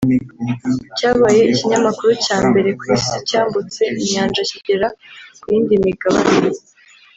cyabaye ikinyamakuru cya mbere ku isi cyambutse inyanja kigera ku yindi migabane